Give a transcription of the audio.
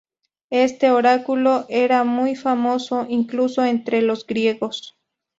Este oráculo era muy famoso, incluso entre los griegos.